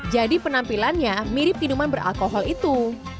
jadi penampilannya mirip minuman beralkohol itu